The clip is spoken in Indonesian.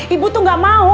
ibu tuh gak mau